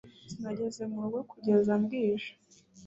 Sinageze mu rugo kugeza bwije